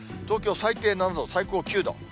東京最低７度、最高９度。